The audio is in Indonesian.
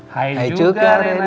hai juga rena